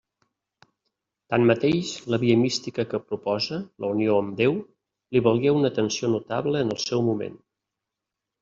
Tanmateix, la via mística que proposa, la unió amb Déu, li valgué una atenció notable en el seu moment.